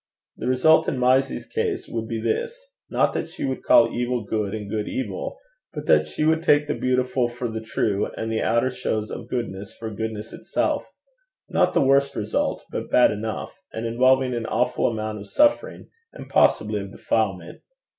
The result in Mysie's case would be this not that she would call evil good and good evil, but that she would take the beautiful for the true and the outer shows of goodness for goodness itself not the worst result, but bad enough, and involving an awful amount of suffering and possibly of defilement.